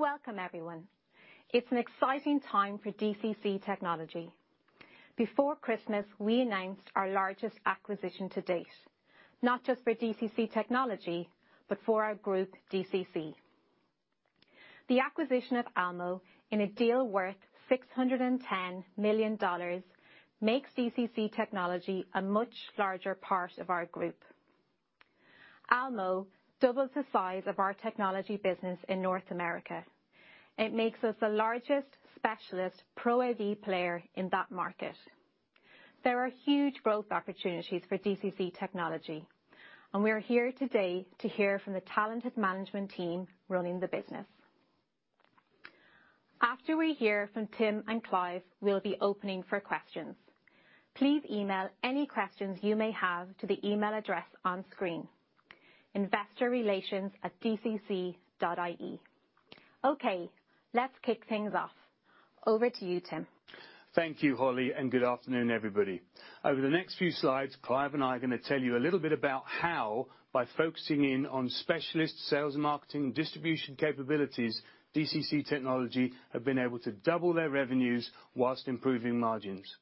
Welcome everyone. It's an exciting time for DCC Technology. Before Christmas, we announced our largest acquisition to date, not just for DCC Technology, but for our group, DCC. The acquisition of Almo in a deal worth $610 million makes DCC Technology a much larger part of our group. Almo doubles the size of our technology business in North America, and it makes us the largest specialist Pro AV player in that market. There are huge growth opportunities for DCC Technology, and we are here today to hear from the talented management team running the business. After we hear from Tim and Clive, we'll be opening for questions. Please email any questions you may have to the email address on screen, investorrelations@dcc.ie. Okay, let's kick things off. Over to you, Tim. Thank you, Holly, and good afternoon, everybody. Over the next few slides, Clive and I are gonna tell you a little bit about how, by focusing in on specialist sales, marketing, distribution capabilities, DCC Technology have been able to double their revenues while improving margins.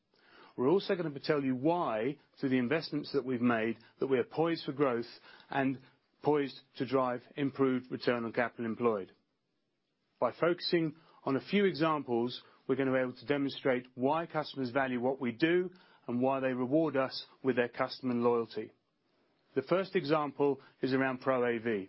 We're also gonna be telling you why, through the investments that we've made, that we are poised for growth and poised to drive improved return on capital employed. By focusing on a few examples, we're gonna be able to demonstrate why customers value what we do and why they reward us with their customer loyalty. The first example is around Pro AV.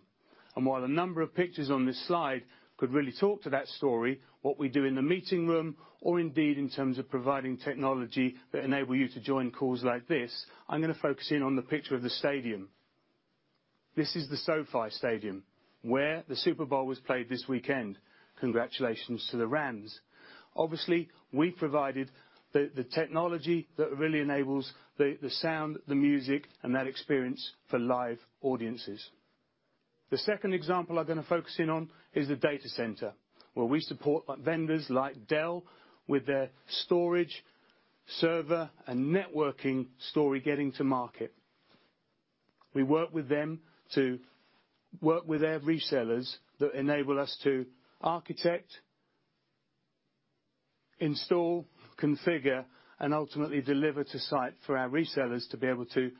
While a number of pictures on this slide could really talk to that story, what we do in the meeting room, or indeed in terms of providing technology that enable you to join calls like this, I'm gonna focus in on the picture of the stadium. This is the SoFi Stadium, where the Super Bowl was played this weekend. Congratulations to the Rams. Obviously, we provided the technology that really enables the sound, the music, and that experience for live audiences. The second example I'm gonna focus in on is the data center, where we support vendors like Dell with their storage, server, and networking story getting to market. We work with them to work with their resellers that enable us to architect, install, configure, and ultimately deliver to site for our resellers to be able to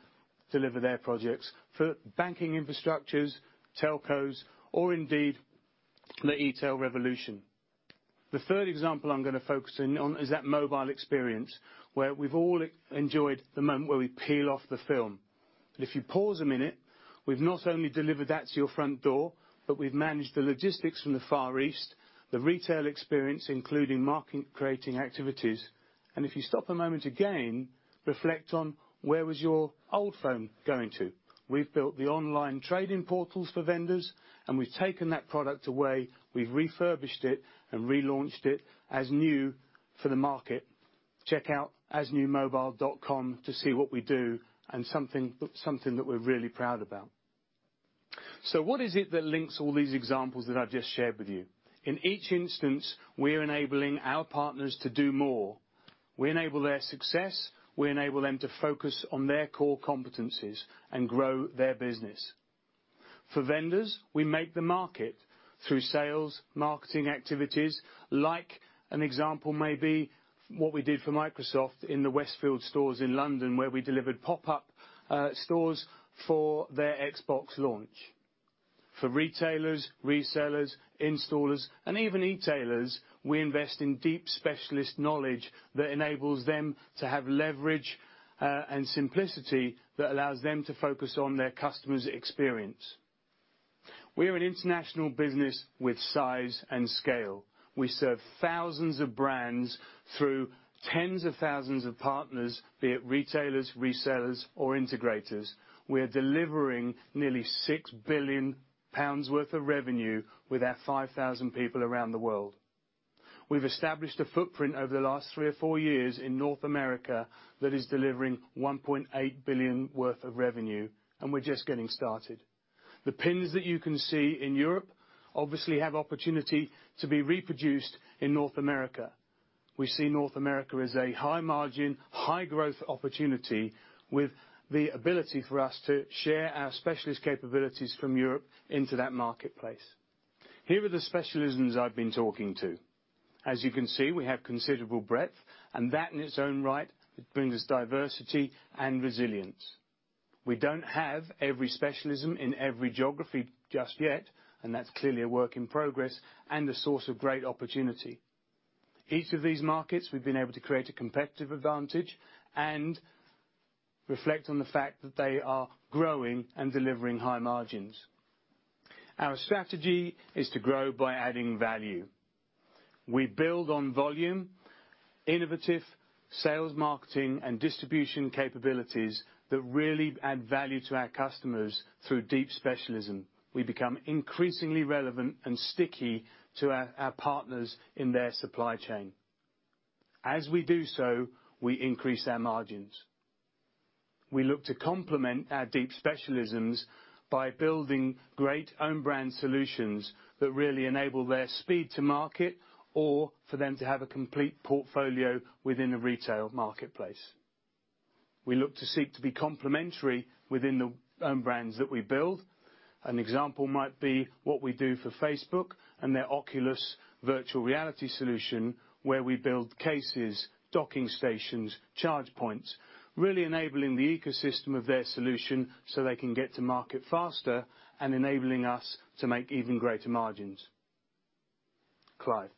deliver their projects for banking infrastructures, telcos, or indeed, the e-tail revolution. The third example I'm gonna focus in on is that mobile experience, where we've all enjoyed the moment where we peel off the film. If you pause a minute, we've not only delivered that to your front door, but we've managed the logistics from the Far East, the retail experience, including market-creating activities. If you stop a moment again, reflect on where was your old phone going to? We've built the online trade-in portals for vendors, and we've taken that product away. We've refurbished it and relaunched it as new for the market. Check out asnewmobile.com to see what we do and something that we're really proud about. What is it that links all these examples that I've just shared with you? In each instance, we're enabling our partners to do more. We enable their success, we enable them to focus on their core competencies and grow their business. For vendors, we make the market through sales, marketing activities, like an example may be what we did for Microsoft in the Westfield stores in London, where we delivered pop-up stores for their Xbox launch. For retailers, resellers, installers, and even e-tailers, we invest in deep specialist knowledge that enables them to have leverage, and simplicity that allows them to focus on their customer's experience. We are an international business with size and scale. We serve thousands of brands through tens of thousands of partners, be it retailers, resellers, or integrators. We're delivering nearly 6 billion pounds worth of revenue with our 5,000 people around the world. We've established a footprint over the last three or four years in North America that is delivering $1.8 billion worth of revenue, and we're just getting started. The pins that you can see in Europe obviously have opportunity to be reproduced in North America. We see North America as a high margin, high growth opportunity with the ability for us to share our specialist capabilities from Europe into that marketplace. Here are the specialisms I've been talking about. As you can see, we have considerable breadth, and that in its own right, it brings us diversity and resilience. We don't have every specialism in every geography just yet, and that's clearly a work in progress and a source of great opportunity. Each of these markets, we've been able to create a competitive advantage and reflect on the fact that they are growing and delivering high margins. Our strategy is to grow by adding value. We build on volume, innovative sales, marketing, and distribution capabilities that really add value to our customers through deep specialism. We become increasingly relevant and sticky to our partners in their supply chain. As we do so, we increase our margins. We look to complement our deep specialisms by building great own brand solutions that really enable their speed to market or for them to have a complete portfolio within the retail marketplace. We look to seek to be complementary within the brands that we build. An example might be what we do for Facebook and their Oculus virtual reality solution, where we build cases, docking stations, charge points, really enabling the ecosystem of their solution so they can get to market faster and enabling us to make even greater margins, Clive.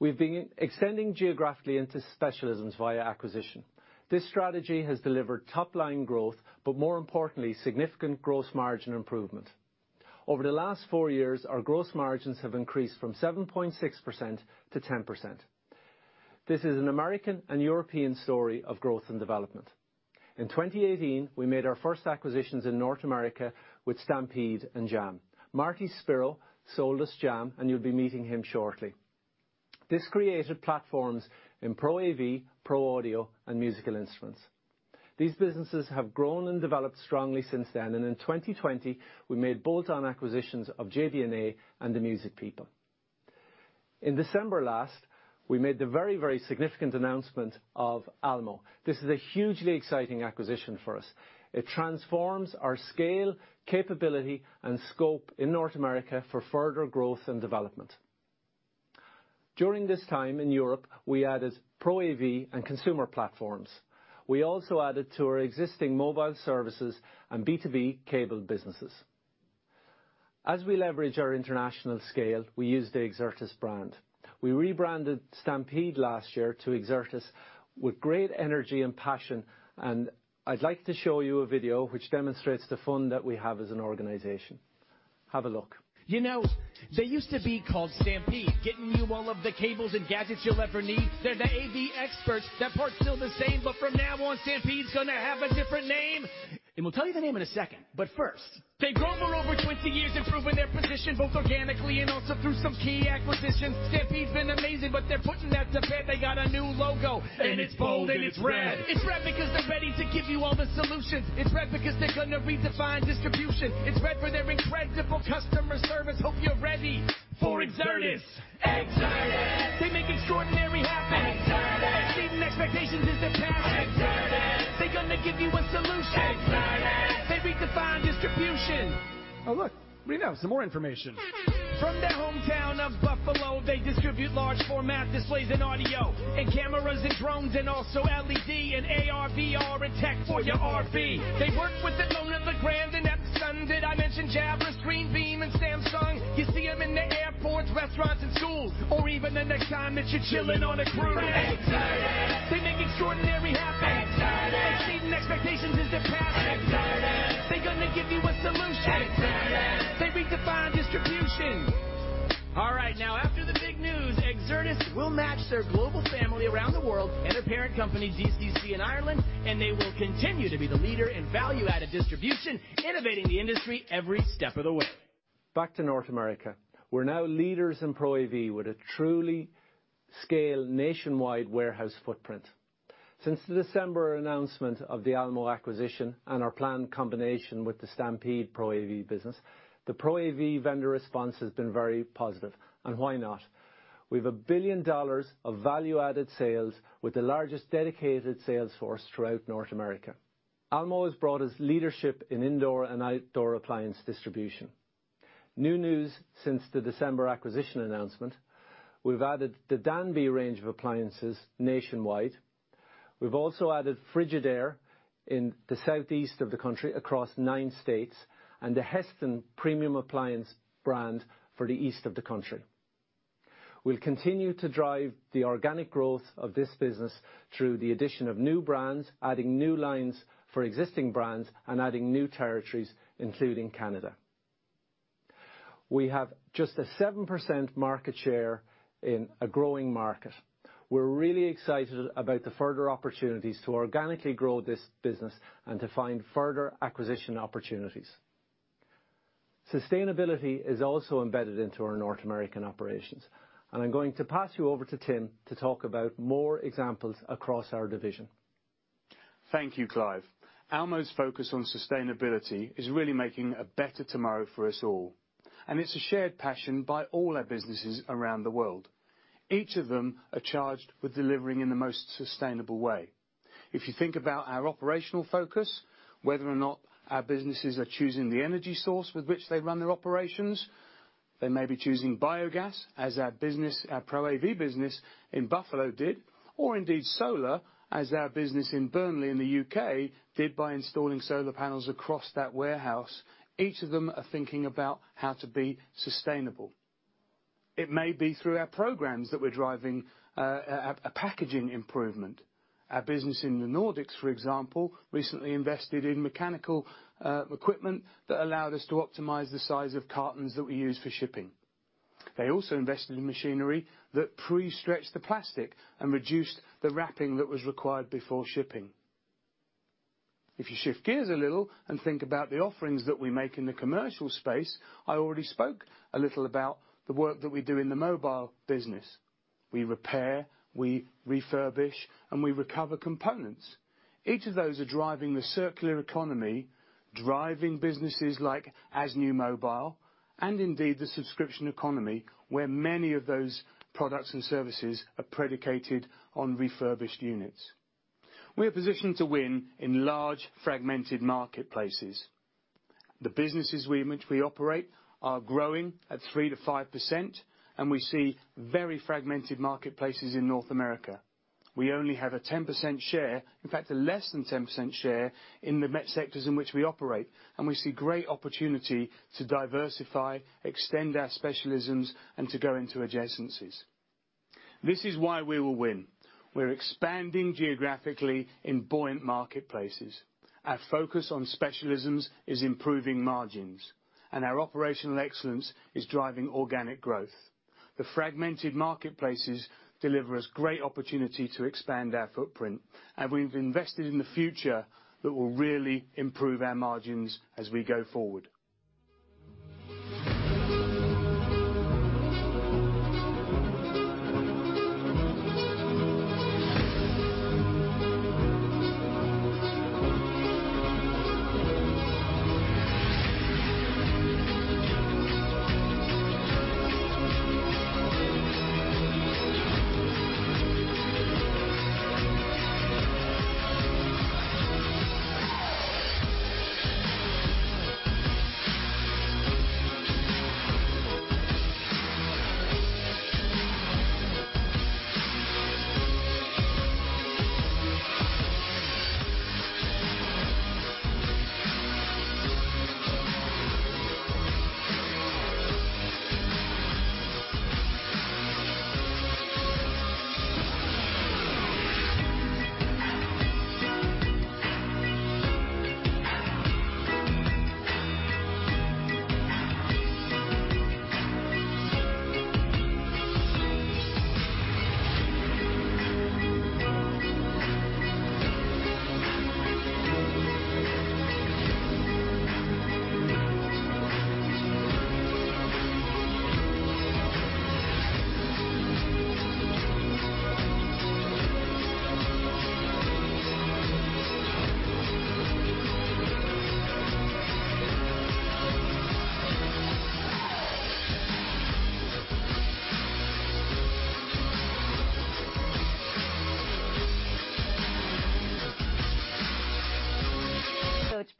We've been extending geographically into specialisms via acquisition. This strategy has delivered top-line growth, but more importantly, significant gross margin improvement. Over the last four years, our gross margins have increased from 7.6% to 10%. This is an American and European story of growth and development. In 2018, we made our first acquisitions in North America with Stampede and JAM. Martin Szpiro sold us JAM, and you'll be meeting him shortly. This created platforms in pro AV, pro audio, and musical instruments. These businesses have grown and developed strongly since then, and in 2020, we made bolt-on acquisitions of JB&A and The Music People. In December last, we made the very, very significant announcement of Almo. This is a hugely exciting acquisition for us. It transforms our scale, capability, and scope in North America for further growth and development. During this time, in Europe, we added Pro AV and consumer platforms. We also added to our existing mobile services and B2B cable businesses. As we leverage our international scale, we use the Exertis brand. We rebranded Stampede last year to Exertis with great energy and passion, and I'd like to show you a video which demonstrates the fun that we have as an organization. Have a look. You know, they used to be called Stampede. Getting you all of the cables and gadgets you'll ever need. They're the AV experts. That part's still the same. From now on, Stampede's gonna have a different name. We'll tell you the name in a second, but first. They've grown for over 20 years, improving their position, both organically and also through some key acquisitions. Stampede's been amazing, but they're putting that to bed. They got a new logo, and it's bold, and it's red. It's red because they're ready to give you all the solutions. It's red because they're gonna redefine distribution. It's red for their incredible customer service. Hope you're ready for Exertis. Exertis. They make extraordinary happen. Exertis. Exceeding expectations is their passion. Exertis. They're gonna give you a solution. Exertis. They redefine distribution. Oh, look, we now have some more information. From their hometown of Buffalo, they distribute large format displays and audio and cameras and drones and also LED and AR/VR and tech for your RV. They work with the loan of the grand and at the sun. Did I mention Jabra, ScreenBeam, and Samsung? You see 'em in the airports, restaurants, and schools, or even in the time that you're chilling on a cruise. Exertis. They make extraordinary happen. Exertis. Exceeding expectations is their passion. Exertis. They're gonna give you a solution. Exertis. They redefine distribution. All right, now, after the big news, Exertis will match their global family around the world and their parent company, DCC in Ireland, and they will continue to be the leader in value-added distribution, innovating the industry every step of the way. Back to North America, we're now leaders in Pro AV with a truly scaled nationwide warehouse footprint. Since the December announcement of the Almo acquisition and our planned combination with the Stampede Pro AV business, the Pro AV vendor response has been very positive, and why not? We have $1 billion of value-added sales with the largest dedicated sales force throughout North America. Almo has brought us leadership in indoor and outdoor appliance distribution. New news since the December acquisition announcement, we've added the Danby range of appliances nationwide. We've also added Frigidaire in the southeast of the country across nine states and the Hestan premium appliance brand for the east of the country. We'll continue to drive the organic growth of this business through the addition of new brands, adding new lines for existing brands, and adding new territories, including Canada. We have just a 7% market share in a growing market. We're really excited about the further opportunities to organically grow this business and to find further acquisition opportunities. Sustainability is also embedded into our North American operations, and I'm going to pass you over to Tim to talk about more examples across our division. Thank you, Clive. Almo's focus on sustainability is really making a better tomorrow for us all, and it's a shared passion by all our businesses around the world. Each of them are charged with delivering in the most sustainable way. If you think about our operational focus, whether or not our businesses are choosing the energy source with which they run their operations, they may be choosing biogas, as our business, our Pro AV business in Buffalo did, or indeed solar, as our business in Burnley in the U.K. did by installing solar panels across that warehouse. Each of them are thinking about how to be sustainable. It may be through our programs that we're driving a packaging improvement. Our business in the Nordics, for example, recently invested in mechanical equipment that allowed us to optimize the size of cartons that we use for shipping. They also invested in machinery that pre-stretched the plastic and reduced the wrapping that was required before shipping. If you shift gears a little and think about the offerings that we make in the commercial space, I already spoke a little about the work that we do in the mobile business. We repair, we refurbish, and we recover components. Each of those are driving the circular economy, driving businesses like as New Mobile and indeed the subscription economy, where many of those products and services are predicated on refurbished units. We are positioned to win in large fragmented marketplaces. The businesses which we operate are growing at 3%-5%, and we see very fragmented marketplaces in North America. We only have a 10% share, in fact, a less than 10% share in the IT sectors in which we operate, and we see great opportunity to diversify, extend our specialisms and to go into adjacencies. This is why we will win. We're expanding geographically in buoyant marketplaces. Our focus on specialisms is improving margins, and our operational excellence is driving organic growth. The fragmented marketplaces deliver us great opportunity to expand our footprint, and we've invested in the future that will really improve our margins as we go forward.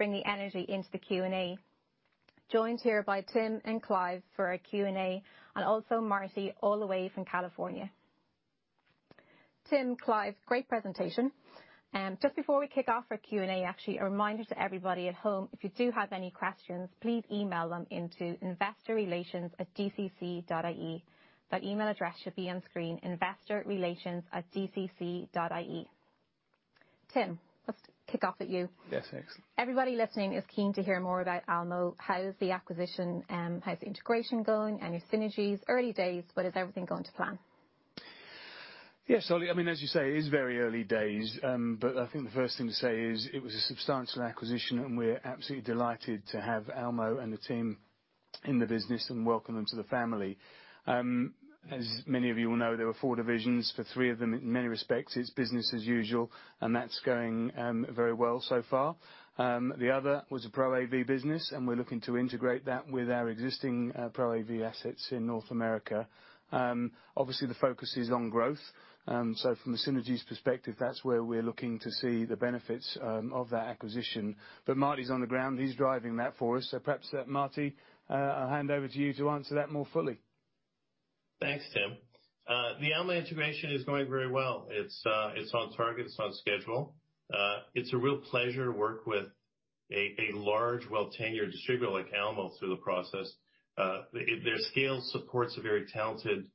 To bring the energy into the Q&A. Joined here by Tim and Clive for our Q&A, and also Marty, all the way from California. Tim, Clive, great presentation. Just before we kick off our Q&A, actually, a reminder to everybody at home, if you do have any questions, please email them into investorrelations@dcc.ie. That email address should be on screen, investorrelations@dcc.ie. Tim, let's kick off with you. Yes, thanks. Everybody listening is keen to hear more about Almo. How's the acquisition, how's the integration going and your synergies? Early days, but is everything going to plan? Yes, Holly, I mean, as you say, it is very early days. I think the first thing to say is it was a substantial acquisition, and we're absolutely delighted to have Almo and the team in the business and welcome them to the family. As many of you will know, there were four divisions. For three of them, in many respects, it's business as usual, and that's going very well so far. The other was a Pro AV business, and we're looking to integrate that with our existing Pro AV assets in North America. Obviously the focus is on growth. From a synergies perspective, that's where we're looking to see the benefits of that acquisition. Marty's on the ground, he's driving that for us. Perhaps to Marty, I'll hand over to you to answer that more fully. Thanks, Tim. The Almo integration is going very well. It's on target. It's on schedule. It's a real pleasure to work with a large, well tenured distributor like Almo through the process. Their scale supports a very talented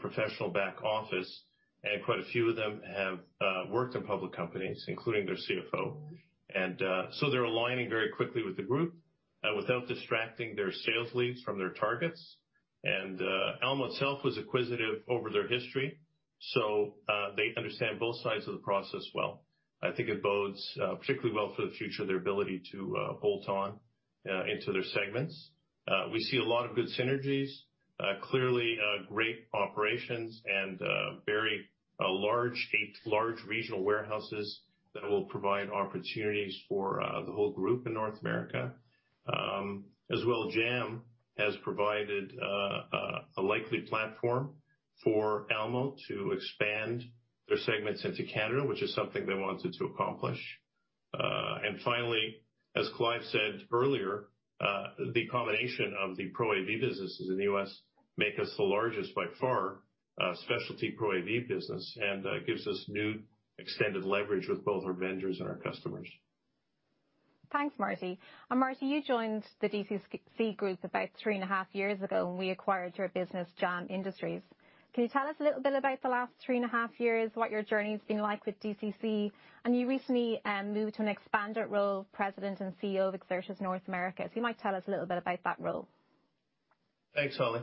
professional back office, and quite a few of them have worked in public companies, including their CFO. They're aligning very quickly with the group without distracting their sales leads from their targets. Almo itself was acquisitive over their history, so they understand both sides of the process well. I think it bodes particularly well for the future, their ability to bolt on into their segments. We see a lot of good synergies, clearly, great operations and eight large regional warehouses that will provide opportunities for the whole group in North America. As well JAM has provided a likely platform for Almo to expand their segments into Canada, which is something they wanted to accomplish. Finally, as Clive said earlier, the combination of the Pro AV businesses in the U.S. make us the largest by far, specialty Pro AV business and gives us new extended leverage with both our vendors and our customers. Thanks, Marty. Marty, you joined the DCC Group about three and a half years ago when we acquired your business, JAM Industries. Can you tell us a little bit about the last three and a half years, what your journey's been like with DCC? You recently moved to an expanded role of President and CEO of Exertis North America. You might tell us a little bit about that role. Thanks, Holly.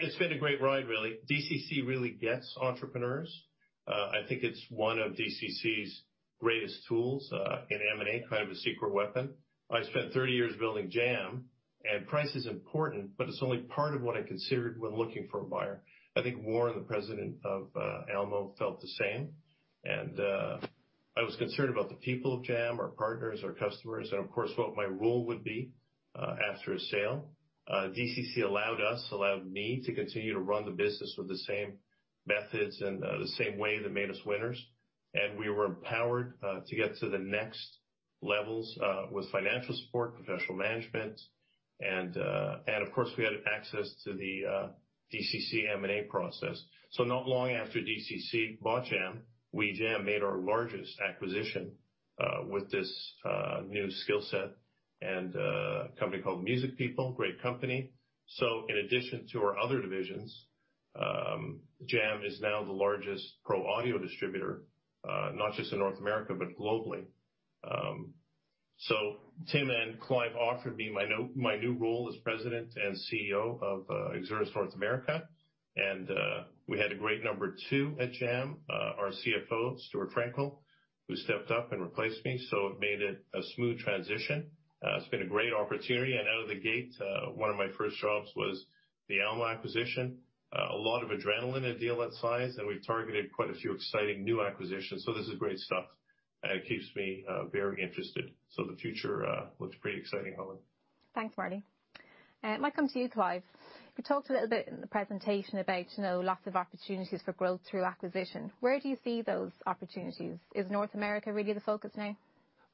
It's been a great ride, really. DCC really gets entrepreneurs. I think it's one of DCC's greatest tools in M&A, kind of a secret weapon. I spent 30 years building JAM, and price is important, but it's only part of what I considered when looking for a buyer. I think Warren, the President of Almo, felt the same. I was concerned about the people of JAM, our partners, our customers, and of course, what my role would be after a sale. DCC allowed me to continue to run the business with the same methods and the same way that made us winners. We were empowered to get to the next levels with financial support, professional management, and of course, we had access to the DCC M&A process. Not long after DCC bought JAM, we then made our largest acquisition, with this new skill set and a company called The Music People. Great company. In addition to our other divisions, JAM is now the largest pro audio distributor, not just in North America, but globally. Tim and Clive offered me my new role as President and CEO of Exertis North America. We had a great number two at JAM, our CFO, Stuart Frankel, who stepped up and replaced me. It made a smooth transition. It's been a great opportunity. Out of the gate, one of my first jobs was the Almo acquisition, a lot of adrenaline, a deal that size, and we've targeted quite a few exciting new acquisitions. This is great stuff, and it keeps me very interested. The future looks pretty exciting, Holly. Thanks, Marty. I might come to you, Clive. We talked a little bit in the presentation about lots of opportunities for growth through acquisition. Where do you see those opportunities? Is North America really the focus now?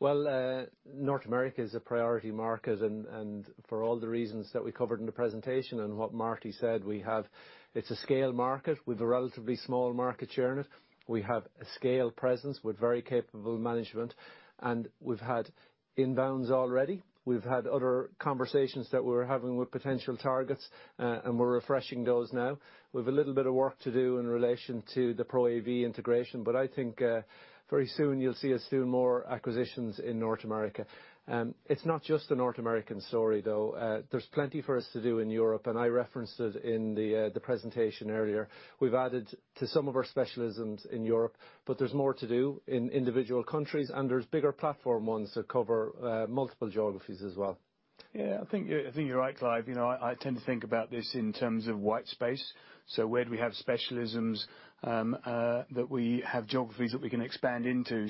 North America is a priority market, and for all the reasons that we covered in the presentation and what Marty said, we have. It's a scale market with a relatively small market share in it. We have a scale presence with very capable management, and we've had inbounds already. We've had other conversations that we're having with potential targets, and we're refreshing those now. We've a little bit of work to do in relation to the Pro AV integration, but I think, very soon you'll see us do more acquisitions in North America. It's not just a North American story, though. There's plenty for us to do in Europe, and I referenced it in the presentation earlier. We've added to some of our specialisms in Europe, but there's more to do in individual countries, and there's bigger platform ones that cover multiple geographies as well. Yeah, I think you're right, Clive. You know, I tend to think about this in terms of white space, so where do we have specialisms that we have geographies that we can expand into.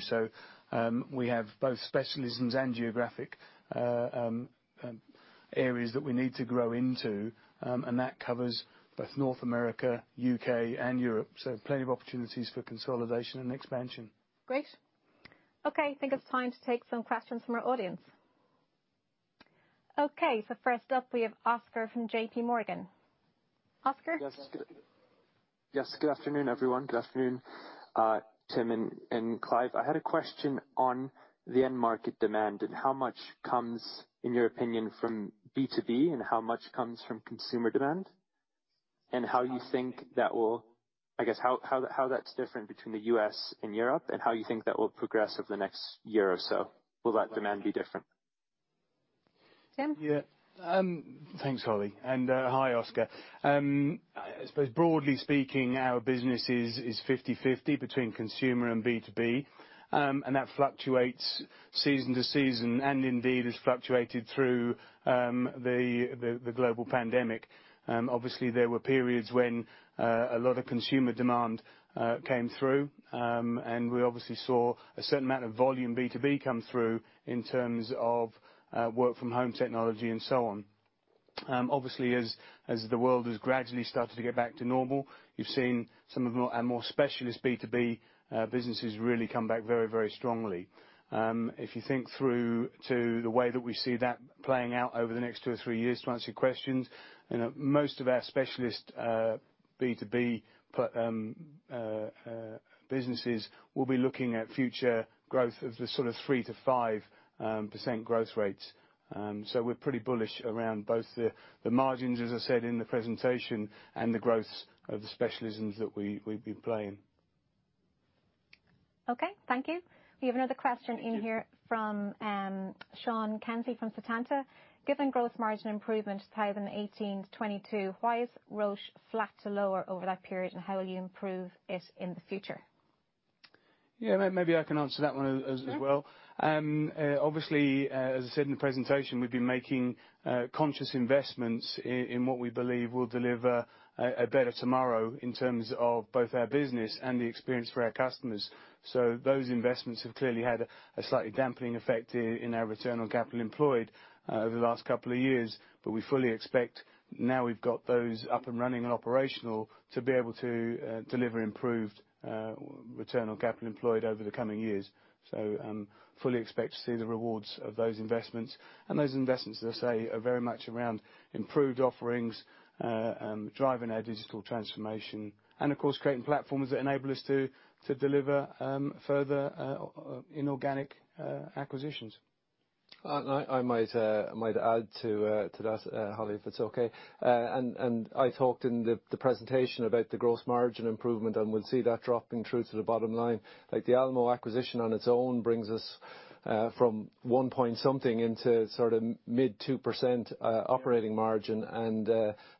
We have both specialisms and geographic areas that we need to grow into. That covers both North America, U.K. and Europe. Plenty of opportunities for consolidation and expansion. Great. Okay, I think it's time to take some questions from our audience. Okay, so first up, we have Oscar from JP Morgan. Oscar? Yes. Yes, good afternoon, everyone. Good afternoon, Tim and Clive. I had a question on the end market demand and how much comes, in your opinion, from B2B and how much comes from consumer demand. I guess how that's different between the U.S. and Europe, and how you think that will progress over the next year or so. Will that demand be different? Tim? Yeah. Thanks, Holly, and hi, Oscar. I suppose broadly speaking, our business is 50/50 between consumer and B2B. That fluctuates season to season, and indeed has fluctuated through the global pandemic. Obviously, there were periods when a lot of consumer demand came through. We obviously saw a certain amount of volume B2B come through in terms of work from home technology and so on. Obviously, as the world has gradually started to get back to normal, you've seen some of our more specialist B2B businesses really come back very strongly. If you think through to the way that we see that playing out over the next two or three years to answer your questions most of our specialist B2B businesses will be looking at future growth of the sort of 3%-5% growth rates. We're pretty bullish around both the margins, as I said in the presentation, and the growth of the specialisms that we've been playing. Okay. Thank you. We have another question in here from Sean Kenzie from Setanta. Given growth margin improvement 2018 to 2022, why is ROCE flat to lower over that period, and how will you improve it in the future? Yeah, maybe I can answer that one as well. Obviously, as I said in the presentation, we've been making conscious investments in what we believe will deliver a better tomorrow in terms of both our business and the experience for our customers. Those investments have clearly had a slightly dampening effect in our return on capital employed over the last couple of years. We fully expect now we've got those up and running and operational to be able to deliver improved return on capital employed over the coming years. We fully expect to see the rewards of those investments. Those investments, as I say, are very much around improved offerings, driving our digital transformation, and of course, creating platforms that enable us to deliver further inorganic acquisitions. I might add to that, Holly, if it's okay. I talked in the presentation about the gross margin improvement, and we'll see that dropping through to the bottom line. Like, the Almo acquisition on its own brings us from 1 point something into sort of mid-2% operating margin.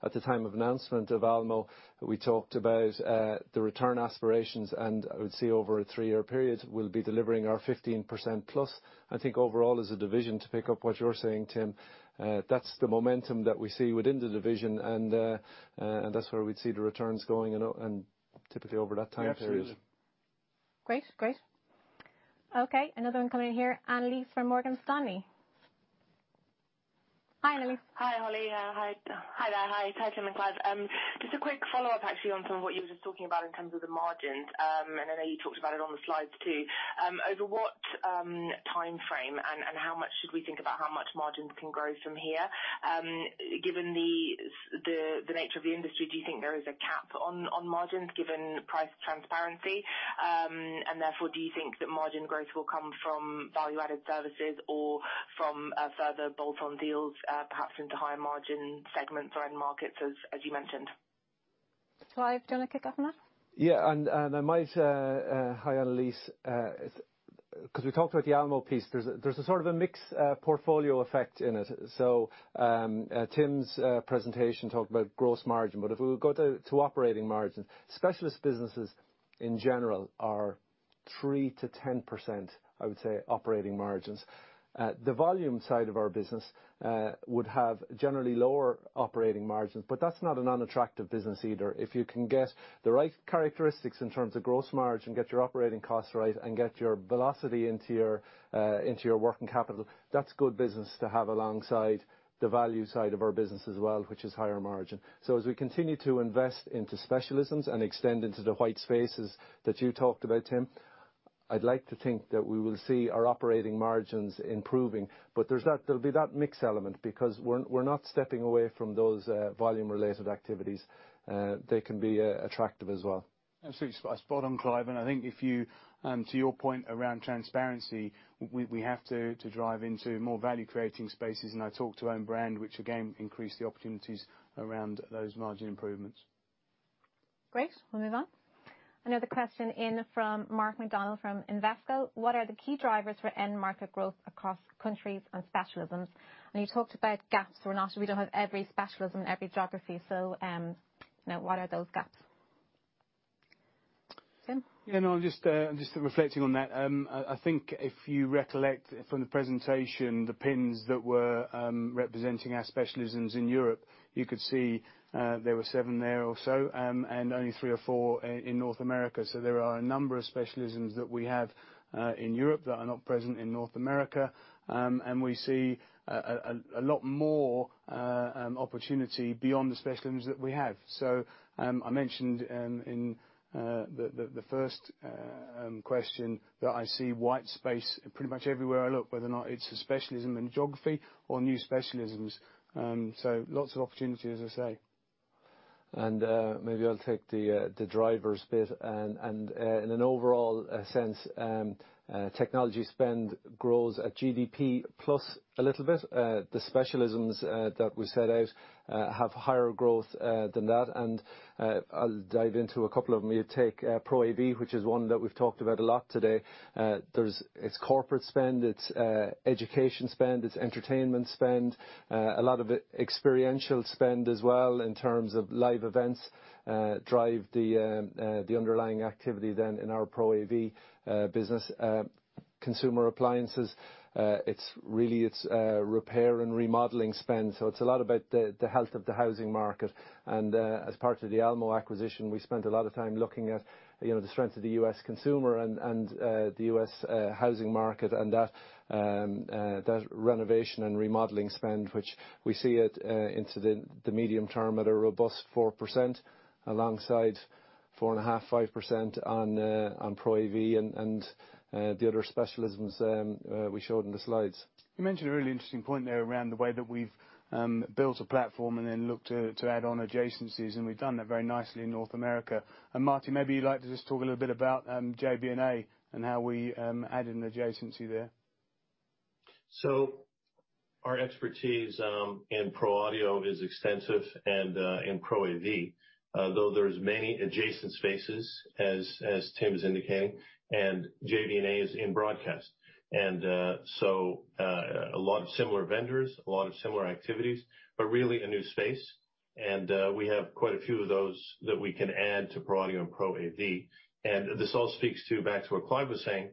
At the time of announcement of Almo, we talked about the return aspirations. I would see over a three-year period, we'll be delivering our 15% plus. I think overall as a division, to pick up what you're saying, Tim, that's the momentum that we see within the division and that's where we'd see the returns going and typically over that time period. Absolutely. Great. Okay, another one coming in here. Annalise from Morgan Stanley. Hi, Holly. Hi. Hi there. Hi, Tim and Clive. Just a quick follow-up, actually, on some of what you were just talking about in terms of the margins. I know you talked about it on the slides too. Over what timeframe and how much should we think about how much margins can grow from here, given the the nature of the industry, do you think there is a cap on margins given price transparency? Therefore, do you think that margin growth will come from value-added services or from a further bolt-on deals, perhaps into higher margin segments or end markets as you mentioned? Clive, do you want to kick off on that? I might hi, Annalise, 'cause we talked about the Almo piece. There's a sort of a mixed portfolio effect in it. Tim's presentation talked about gross margin, but if we go to operating margin, specialist businesses in general are 3%-10%, I would say, operating margins. The volume side of our business would have generally lower operating margins, but that's not an unattractive business either. If you can get the right characteristics in terms of gross margin, get your operating costs right, and get your velocity into your working capital, that's good business to have alongside the value side of our business as well, which is higher margin. As we continue to invest into specialisms and extend into the white spaces that you talked about, Tim, I'd like to think that we will see our operating margins improving. There's that there'll be that mix element because we're not stepping away from those volume related activities. They can be attractive as well. Absolutely. Spot on, Clive. I think to your point around transparency, we have to drive into more value-creating spaces. I talked about own brand, which again increase the opportunities around those margin improvements. Great. We'll move on. Another question in from Mark McDonald from Invesco. What are the key drivers for end market growth across countries and specialisms? You talked about gaps where we don't have every specialism, every geography. You know, what are those gaps? Tim? Yeah, no, just reflecting on that. I think if you recollect from the presentation, the pins that were representing our specialisms in Europe, you could see there were seven there or so, and only three or four in North America. There are a number of specialisms that we have in Europe that are not present in North America. We see a lot more opportunity beyond the specialisms that we have. I mentioned in the first question that I see white space pretty much everywhere I look, whether or not it's a specialism in geography or new specialisms. Lots of opportunities, as I say. Maybe I'll take the drivers bit. In an overall sense, technology spend grows at GDP plus a little bit. The specialisms that we set out have higher growth than that. I'll dive into a couple of them. You take Pro AV, which is one that we've talked about a lot today. There is corporate spend, it's education spend, it's entertainment spend. A lot of it experiential spend as well, in terms of live events, drive the underlying activity then in our Pro AV business. Consumer appliances, it's really, it's repair and remodeling spend. It's a lot about the health of the housing market. as part of the Almo acquisition, we spent a lot of time looking at the strength of the U.S. consumer and the U.S. housing market and that renovation and remodeling spend, which we see it into the medium term at a robust 4% alongside 4.5%-5% on Pro AV and the other specialisms we showed in the slides. You mentioned a really interesting point there around the way that we've built a platform and then looked to add on adjacencies, and we've done that very nicely in North America. Marty, maybe you'd like to just talk a little bit about JVNA and how we added an adjacency there. Our expertise in pro audio is extensive and in Pro AV. Though there are many adjacent spaces as Tim's indicating, and JB&A is in broadcast. A lot of similar vendors, a lot of similar activities, but really a new space. We have quite a few of those that we can add to pro audio and Pro AV. This all speaks back to what Clive was saying,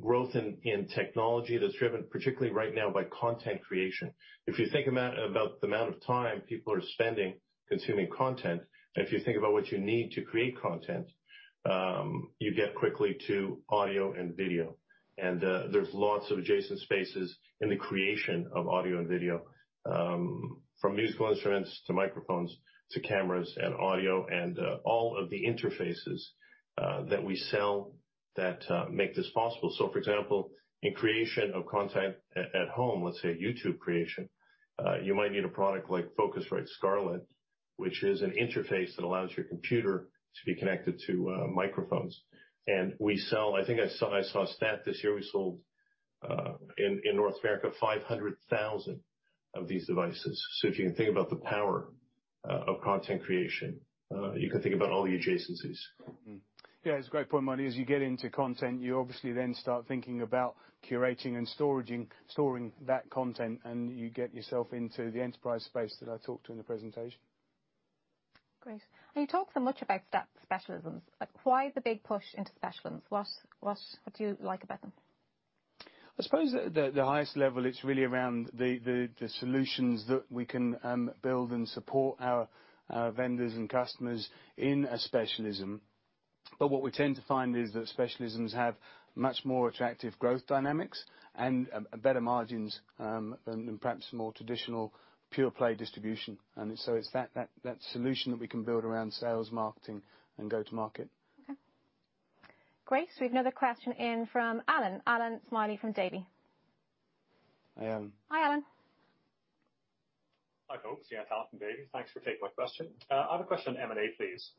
growth in technology that's driven particularly right now by content creation. If you think about the amount of time people are spending consuming content, and if you think about what you need to create content, you get quickly to audio and video. There's lots of adjacent spaces in the creation of audio and video, from musical instruments, to microphones, to cameras and audio and all of the interfaces that we sell that make this possible. For example, in creation of content at home, let's say YouTube creation, you might need a product like Focusrite Scarlett, which is an interface that allows your computer to be connected to microphones. We sell, I think I saw a stat this year, we sold in North America, 500,000 of these devices. If you can think about the power of content creation, you can think about all the adjacencies. Yeah, it's a great point, Marty. As you get into content, you obviously then start thinking about curating and storing that content, and you get yourself into the enterprise space that I talked to in the presentation. Great. You talked so much about specialisms. Why the big push into specialisms? What do you like about them? I suppose the highest level, it's really around the solutions that we can build and support our vendors and customers in a specialism. What we tend to find is that specialisms have much more attractive growth dynamics and better margins than perhaps more traditional pure play distribution. It's that solution that we can build around sales, marketing, and go to market. Okay. Great. We have another question in from Allan Smylie from Davy. Hi, Allan. Hi, Allan. Hi, folks. Yeah, it's Allan from Davy. Thanks for taking my question. I have a question on M&A, please.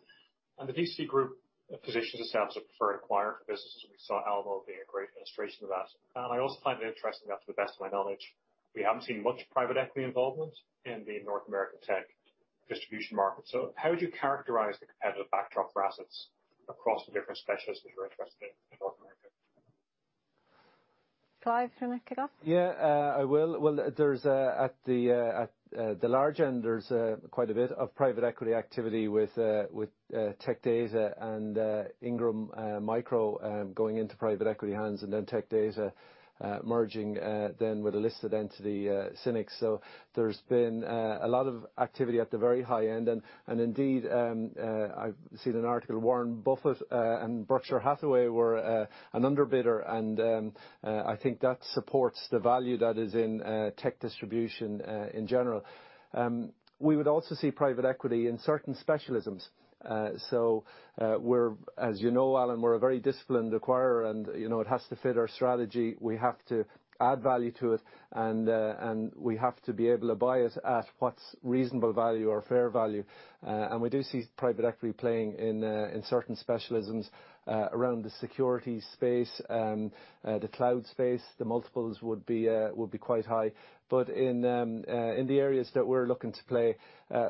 On how the DCC Group positions itself to prefer acquiring businesses. We saw Almo being a great illustration of that. I also find it interesting that to the best of my knowledge, we haven't seen much private equity involvement in the North American tech distribution market. How would you characterize the competitive backdrop for assets across the different specialists that you're interested in in North America? Clive, do you want to kick off? Yeah, I will. Well, at the large end, there's quite a bit of private equity activity with Tech Data and Ingram Micro going into private equity hands and then Tech Data merging with a listed entity Synnex. There's been a lot of activity at the very high end. Indeed, I've seen an article, Warren Buffett and Berkshire Hathaway were an underbidder, and I think that supports the value that is in tech distribution in general. We would also see private equity in certain specialisms. We're... As you know, Allan, we're a very disciplined acquirer, and it has to fit our strategy, we have to add value to it, and we have to be able to buy it at what's reasonable value or fair value. We do see private equity playing in certain specialisms around the security space, the cloud space. The multiples would be quite high. In the areas that we're looking to play,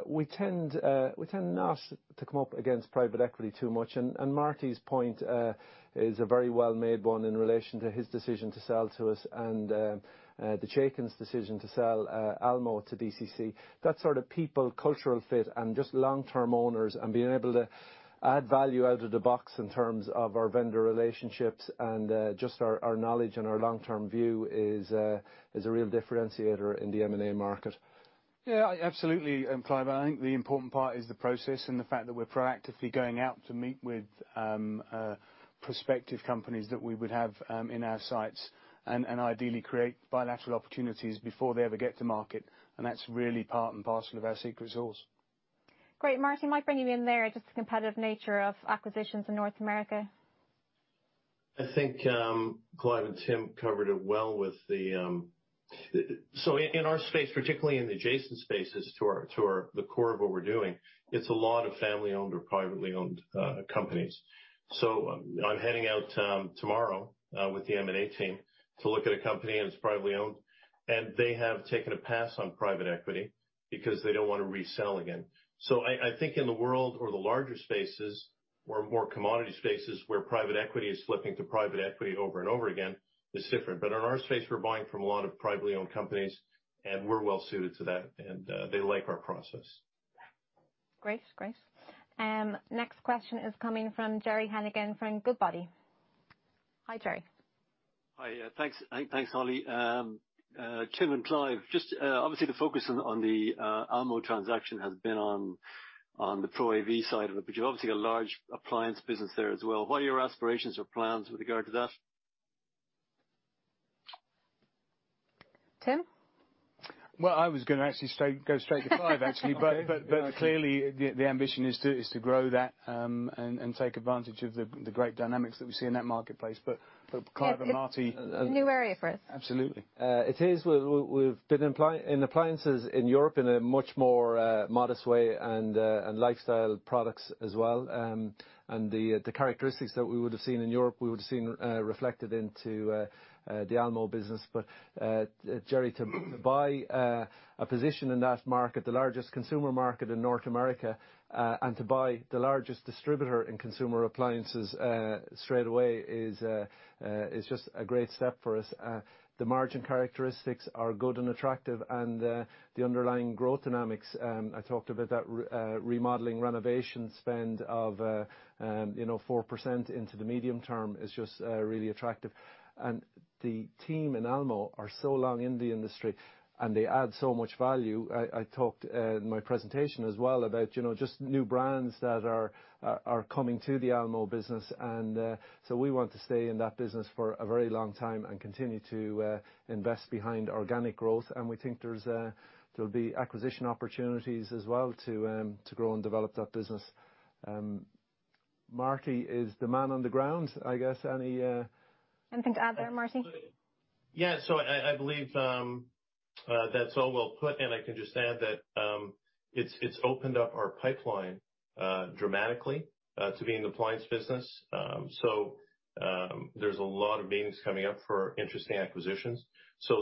we tend not to come up against private equity too much. Marty's point is a very well made one in relation to his decision to sell to us and the Chaiken's decision to sell Almo to DCC. That sort of people cultural fit and just long-term owners and being able to add value out of the box in terms of our vendor relationships and, just our knowledge and our long-term view is a real differentiator in the M&A market. Yeah, absolutely, Clive. I think the important part is the process and the fact that we're proactively going out to meet with prospective companies that we would have in our sights and ideally create bilateral opportunities before they ever get to market. That's really part and parcel of our secret sauce. Great. Marty, I might bring you in there, just the competitive nature of acquisitions in North America. I think Clive and Tim covered it well. In our space, particularly in adjacent spaces to our core of what we're doing, it's a lot of family-owned or privately owned companies. I'm heading out tomorrow with the M&A team to look at a company, and it's privately owned, and they have taken a pass on private equity because they don't wanna resell again. I think in the world or the larger spaces or more commodity spaces where private equity is flipping to private equity over and over again is different. In our space, we're buying from a lot of privately owned companies, and we're well suited to that, and they like our process. Great. Next question is coming from Gerry Hennigan from Goodbody. Hi, Gerry. Hi. Thanks. Thanks, Holly. Tim and Clive, just obviously the focus on the Almo transaction has been on the Pro AV side of it, but you've obviously got a large appliance business there as well. What are your aspirations or plans with regard to that? Tim? Well, I was gonna actually go straight to Clive, actually. Clearly the ambition is to grow that and take advantage of the great dynamics that we see in that marketplace. Clive and Marty- It's a new area for us. Absolutely. It is. We've been in appliances in Europe in a much more modest way and lifestyle products as well. The characteristics that we would have seen in Europe we would have seen reflected into the Almo business. Gerry, to buy a position in that market, the largest consumer market in North America, and to buy the largest distributor in consumer appliances straight away is just a great step for us. The margin characteristics are good and attractive and the underlying growth dynamics I talked about that remodeling renovation spend of you know 4% into the medium term is just really attractive. The team in Almo are so long in the industry, and they add so much value. I talked in my presentation as well about just new brands that are coming to the Almo business. So we want to stay in that business for a very long time and continue to invest behind organic growth. We think there'll be acquisition opportunities as well to grow and develop that business. Marty is the man on the ground, I guess. Any Anything to add there, Marty? I believe that's all well put, and I can just add that it's opened up our pipeline dramatically to be in the appliance business. There's a lot of meetings coming up for interesting acquisitions.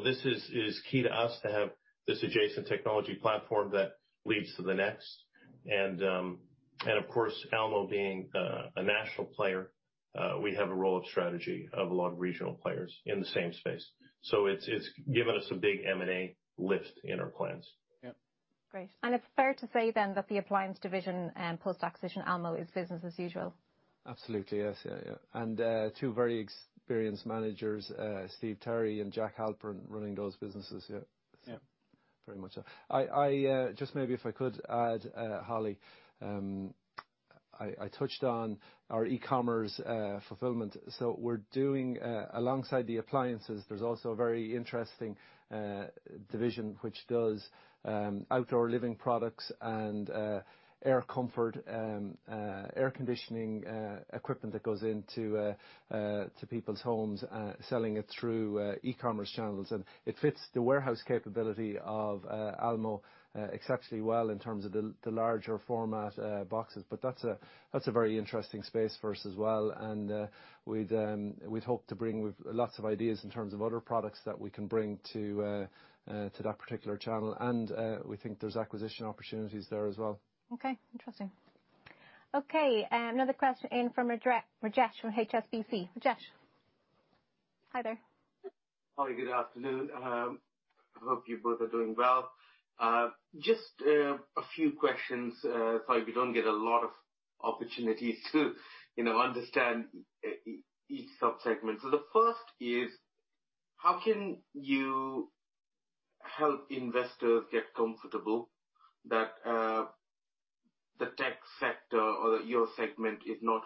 This is key to us to have this adjacent technology platform that leads to the next. Of course, Almo being a national player, we have a roll-up strategy of a lot of regional players in the same space. It's given us a big M&A lift in our plans. Yeah. Great. It's fair to say then that the appliance division, post-acquisition Almo is business as usual? Absolutely, yes. Yeah. Two very experienced managers, Steve Terry and Jack Halpern, running those businesses. Yeah. Very much so. I just maybe if I could add, Holly, I touched on our e-commerce fulfillment. We're doing, alongside the appliances, there's also a very interesting division which does outdoor living products and air comfort and air conditioning equipment that goes into to people's homes, selling it through e-commerce channels. It fits the warehouse capability of Almo exceptionally well in terms of the larger format boxes. That's a very interesting space for us as well. We'd hope to bring with lots of ideas in terms of other products that we can bring to that particular channel. We think there's acquisition opportunities there as well. Okay, interesting. Okay, another question in from Rajesh from HSBC. Rajesh? Hi there. Hi, good afternoon. I hope you both are doing well. Just a few questions. Sorry we don't get a lot of opportunities to understand each sub-segment. The first is, how can you help investors get comfortable that the tech sector or your segment is not,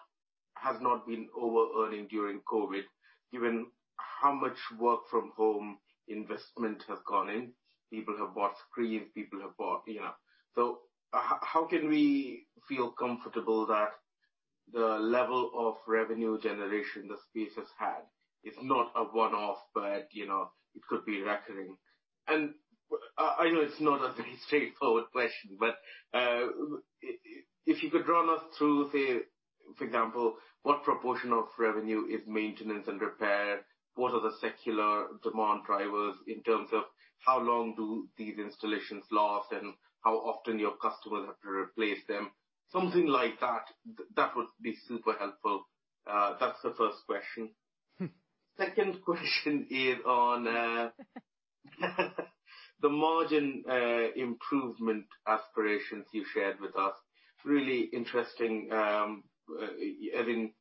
has not been overearning during COVID, given how much work from home investment has gone in? People have bought screens, people have bought, you know. How can we feel comfortable that the level of revenue generation the space has had is not a one-off, but it could be recurring? I know it's not a very straightforward question, but if you could run us through, say, for example, what proportion of revenue is maintenance and repair? What are the secular demand drivers in terms of how long do these installations last and how often your customers have to replace them? Something like that would be super helpful. That's the first question. Second question is on the margin improvement aspirations you've shared with us. Really interesting, having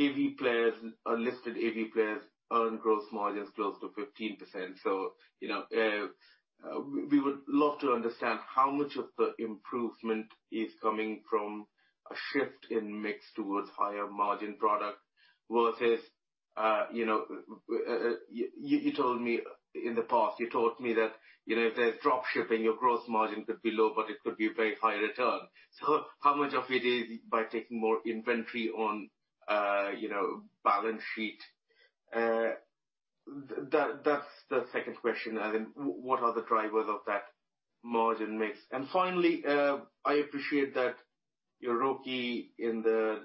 AV players, unlisted AV players earn gross margins close to 15%. so we would love to understand how much of the improvement is coming from a shift in mix towards higher margin product versus, you know. You told me in the past that if there's drop shipping, your gross margin could be low, but it could be a very high return. So how much of it is by taking more inventory on balance sheet? That's the second question. I mean, what are the drivers of that margin mix? Finally, I appreciate that your ROE in the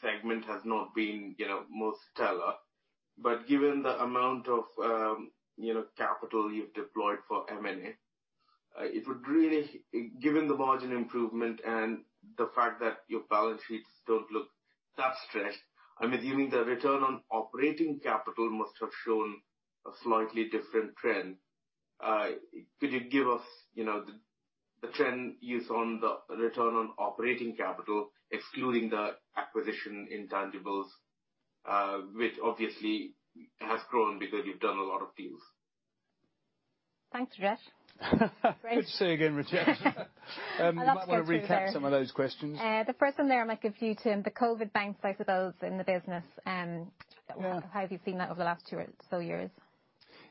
segment has not been most stellar. Given the amount of capital you've deployed for M&A, and the margin improvement and the fact that your balance sheets don't look that stressed, I mean, even the return on operating capital must have shown a slightly different trend. Could you give us the trend on the return on operating capital, excluding the acquisition intangibles, which obviously has grown because you've done a lot of deals. Thanks, Rajesh. Good to see you again, Rajesh. A lot to get through there. You might wanna recap some of those questions. The first one there, I might give to you, Tim, the COVID bank cyclicals in the business, how have you seen that over the last two or so years?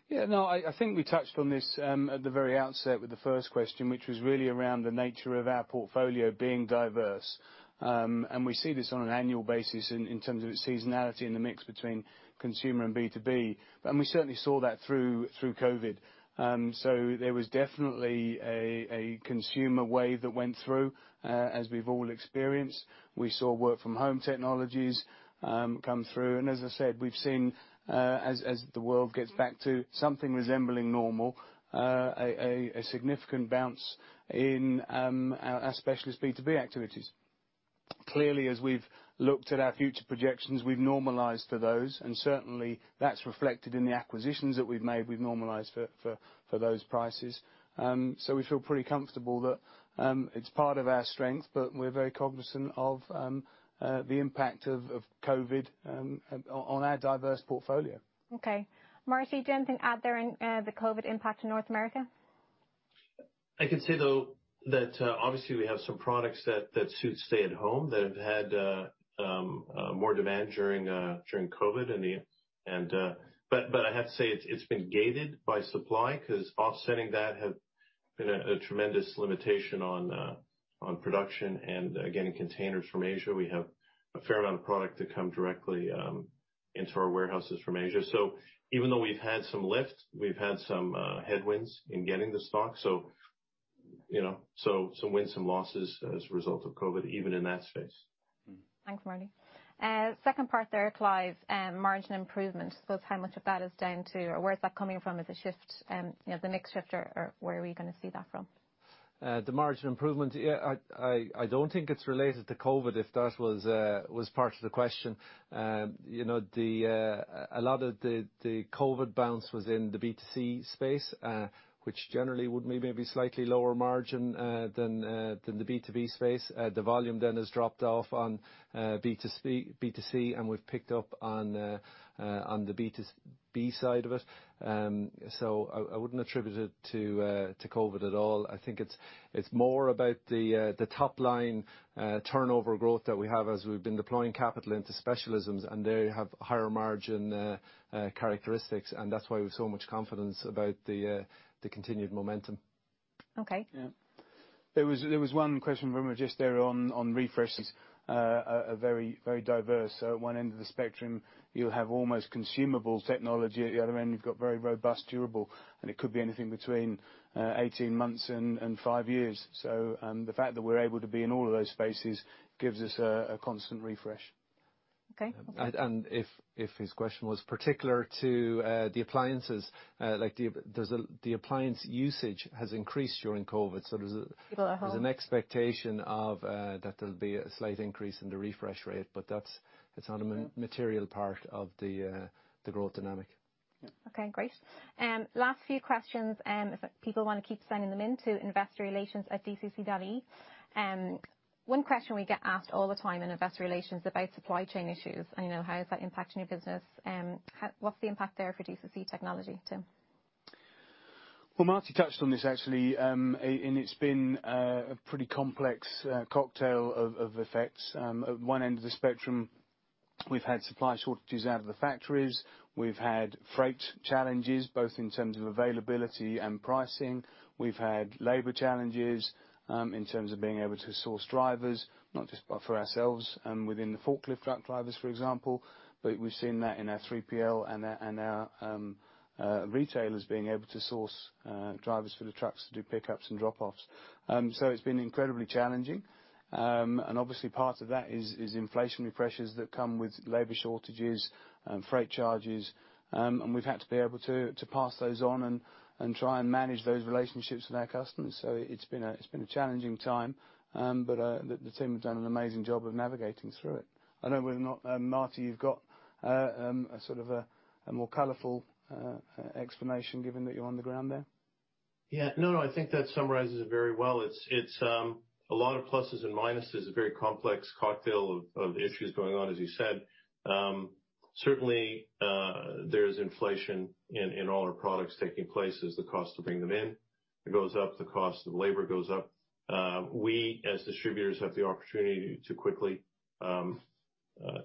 Yeah, no, I think we touched on this at the very outset with the first question, which was really around the nature of our portfolio being diverse. We see this on an annual basis in terms of seasonality in the mix between consumer and B2B. We certainly saw that through COVID. There was definitely a consumer wave that went through, as we've all experienced. We saw work from home technologies come through. As I said, we've seen, as the world gets back to something resembling normal, a significant bounce in our specialist B2B activities. Clearly, as we've looked at our future projections, we've normalized for those, and certainly that's reflected in the acquisitions that we've made. We've normalized for those prices. We feel pretty comfortable that it's part of our strength, but we're very cognizant of the impact of COVID on our diverse portfolio. Okay. Marty, anything to add there in the COVID impact in North America? I can say, though, that obviously, we have some products that suit stay-at-home, that have had more demand during COVID. I have to say it's been gated by supply 'cause offsetting that have been a tremendous limitation on production and getting containers from Asia. We have a fair amount of product that come directly into our warehouses from Asia. Even though we've had some lift, we've had some headwinds in getting the stock. You know, so some wins, some losses as a result of COVID, even in that space. Mm-hmm. Thanks, Marty. Second part there, Clive, margin improvement. I suppose how much of that is down to or where is that coming from? Is it shift, the mix shift or where are we gonna see that from? The margin improvement, yeah, I don't think it's related to COVID, if that was part of the question. You know, a lot of the COVID bounce was in the B2C space, which generally would maybe be slightly lower margin than the B2B space. The volume then has dropped off on B2C, and we've picked up on the B2- B side of it. I wouldn't attribute it to COVID at all. I think it's more about the top line turnover growth that we have as we've been deploying capital into specialisms, and they have higher margin characteristics and that's why we're so much confidence about the continued momentum. Okay. Yeah. There was one question from him just there on refreshes. A very diverse. At one end of the spectrum you have almost consumable technology. At the other end, you've got very robust, durable, and it could be anything between 18 months and five years. The fact that we're able to be in all of those spaces gives us a constant refresh. Okay. If his question was particular to the appliances, like does the appliance usage has increased during COVID. There's a- People at home. There's an expectation that there'll be a slight increase in the refresh rate, but that's not a material part of the growth dynamic. Okay, great. Last few questions, if people wanna keep sending them in to investorrelations@dcc.ie. One question we get asked all the time in Investor Relations about supply chain issues, and you know, how is that impacting your business? What's the impact there for DCC Technology, Tim? Well, Marty touched on this actually. It's been a pretty complex cocktail of effects. At one end of the spectrum we've had supply shortages out of the factories. We've had freight challenges, both in terms of availability and pricing. We've had labor challenges in terms of being able to source drivers, not just for ourselves and within the forklift truck drivers, for example. We've seen that in our 3PL and our retailers being able to source drivers for the trucks to do pickups and dropoffs. It's been incredibly challenging. Obviously part of that is inflationary pressures that come with labor shortages, freight charges. We've had to be able to pass those on and try and manage those relationships with our customers. It's been a challenging time. The team have done an amazing job of navigating through it. I don't know whether or not, Marty, you've got a sort of a more colorful explanation given that you're on the ground there. Yeah. No, no, I think that summarizes it very well. It's a lot of pluses and minuses, a very complex cocktail of issues going on, as you said. Certainly, there's inflation in all our products taking place as the cost to bring them in. It goes up, the cost of labor goes up. We as distributors have the opportunity to quickly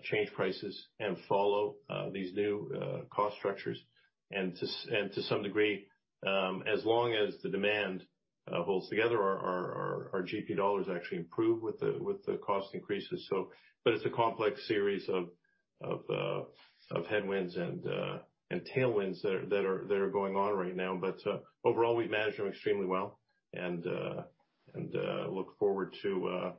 change prices and follow these new cost structures. To some degree, as long as the demand holds together, our GP dollars actually improve with the cost increases. It's a complex series of headwinds and tailwinds that are going on right now. Overall we've managed them extremely well and look forward to.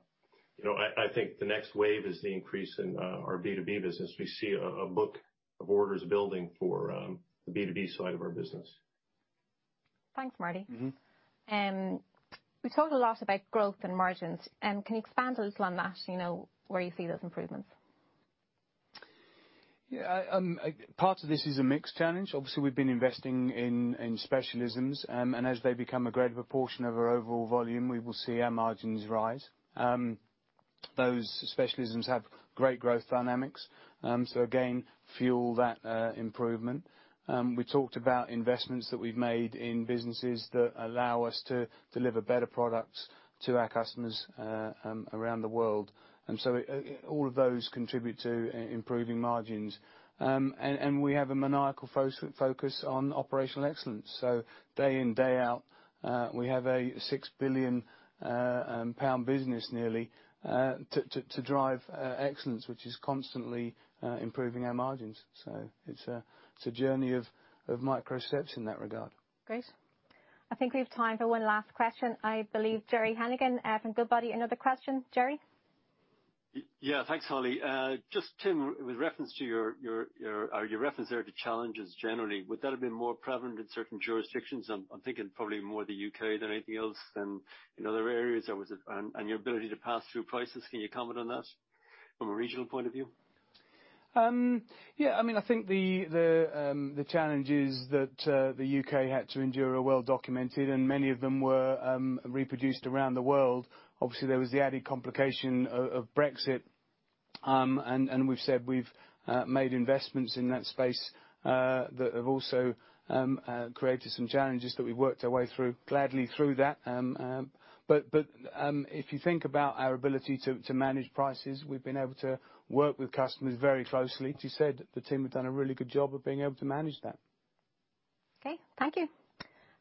You know, I think the next wave is the increase in our B2B business. We see a book of orders building for the B2B side of our business. Thanks, Marty. Mm-hmm. We talked a lot about growth and margins. Can you expand a little on that? You know, where you see those improvements? Yeah. Part of this is a mix challenge. Obviously, we've been investing in specialisms. As they become a greater proportion of our overall volume, we will see our margins rise. Those specialisms have great growth dynamics. Again, fuel that improvement. We talked about investments that we've made in businesses that allow us to deliver better products to our customers around the world. All of those contribute to improving margins. We have a maniacal focus on operational excellence. Day in, day out, we have nearly a 6 billion pound business to drive excellence, which is constantly improving our margins. It's a journey of micro steps in that regard. Great. I think we have time for one last question. I believe Gerry Hennigan from Goodbody. Another question, Gerry? Yeah. Thanks, Holly. Just Tim, with reference to your reference there to challenges generally, would that have been more prevalent in certain jurisdictions? I'm thinking probably more the U.K. than anything else than in other areas. Your ability to pass through prices, can you comment on that from a regional point of view? I mean, I think the challenges that the U.K. had to endure are well documented, and many of them were reproduced around the world. Obviously, there was the added complication of Brexit. We've said we've made investments in that space that have also created some challenges that we worked our way through, gladly through that. If you think about our ability to manage prices, we've been able to work with customers very closely. As you said, the team have done a really good job of being able to manage that. Okay. Thank you.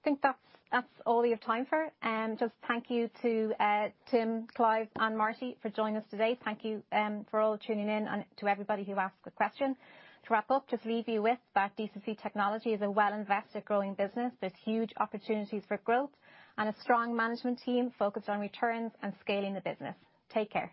I think that's all we have time for. Just thank you to Tim, Clive, and Marty for joining us today. Thank you for all tuning in and to everybody who asked a question. To wrap up, just leave you with that DCC Technology is a well-invested growing business. There's huge opportunities for growth and a strong management team focused on returns and scaling the business. Take care.